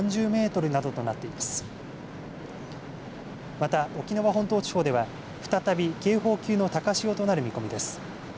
また沖縄本島地方では再び警報級の高潮となる見込みです。